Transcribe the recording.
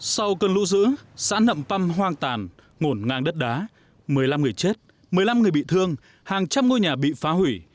sau cơn lũ dữ xã nậm păm hoang tàn ngổn ngang đất đá một mươi năm người chết một mươi năm người bị thương hàng trăm ngôi nhà bị phá hủy